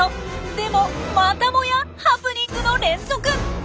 でもまたもやハプニングの連続！